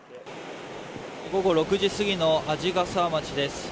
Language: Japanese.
午後６時すぎの鰺ヶ沢町です。